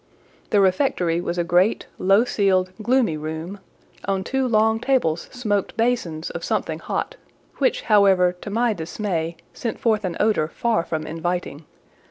The refectory was a great, low ceiled, gloomy room; on two long tables smoked basins of something hot, which, however, to my dismay, sent forth an odour far from inviting.